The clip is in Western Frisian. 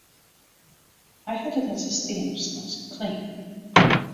Hy hat it net sa stean op sneinske klean.